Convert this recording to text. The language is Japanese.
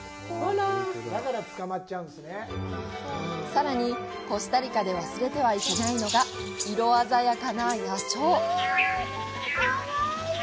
さらに、コスタリカで忘れてはいけないのが色鮮やかな野鳥。